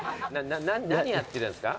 何やってるんですか？